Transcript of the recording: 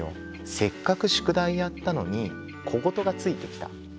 せっかく宿題やったのに小言がついてきた。